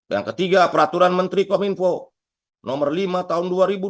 yang ketiga peraturan menteri kominfo nomor lima tahun dua ribu dua puluh